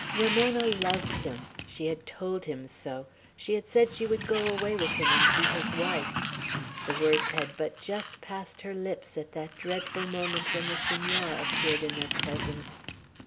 Ramona loved him. She had told him so. She had said she would go away with him and be his wife. The words had but just passed her lips, at that dreadful moment when the Senora appeared in their presence.